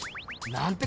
なんて